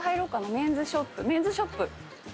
メンズショップ！